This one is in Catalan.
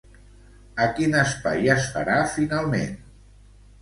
A quin espai es farà, finalment?